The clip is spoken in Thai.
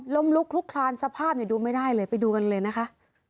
ลุกคลุกคลานสภาพดูไม่ได้เลยไปดูกันเลยนะคะ